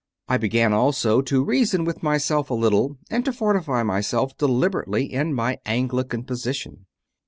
I began also to reason with myself a little and to fortify myself deliberately in my Anglican position.